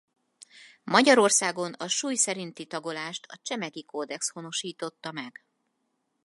Magyarországon a súly szerinti tagolást a Csemegi-kódex honosította meg.